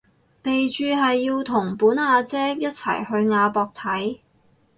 備註係要同本阿姐一齊去亞博睇